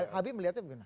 habib melihatnya begini